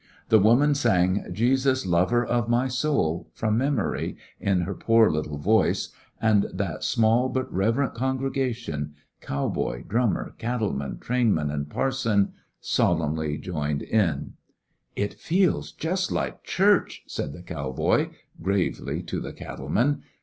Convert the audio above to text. The woman sang "Jesus, Lover of my Soul," from memory, in her poor little voice, and that small but reverent congregation— cow boy, drummer, cattle man, trainmen, and parson— solemnly joined in, "It feels just like church," said the cow boy, gravely, to the cattle man.